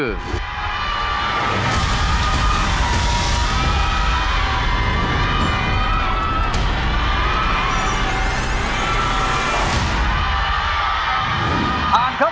สุขที่มันคือ